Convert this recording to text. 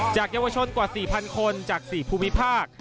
เยาวชนกว่า๔๐๐คนจาก๔ภูมิภาค